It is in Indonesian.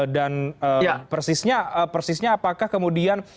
dan persisnya apakah kemudian